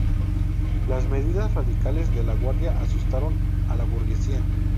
Las medidas radicales de la Guardia asustaron a la burguesía.